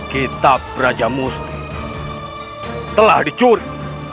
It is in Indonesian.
kitab raja musti telah dicuri